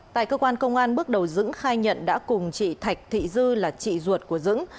tại cơ quan công an bước đầu dững khai nhận đã cùng chị thạch thị dư là chị ruột của dững